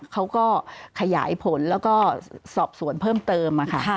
เขาก็ขยายผลแล้วก็สอบสวนเพิ่มเติมค่ะ